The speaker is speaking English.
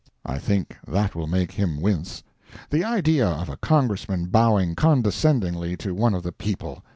I think that will make him wince. The idea of a Congressman bowing condescendingly to one of the people!